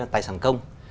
tài sản công